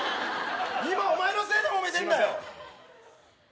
今お前のせいでもめてんだよすいません